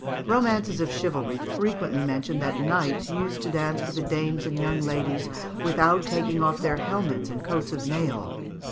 Romances of chivalry frequently mention that knights used to dance with the dames and young ladies without taking off their helmets and coats of mail.